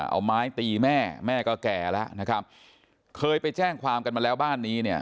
เอาไม้ตีแม่แม่ก็แก่แล้วนะครับเคยไปแจ้งความกันมาแล้วบ้านนี้เนี่ย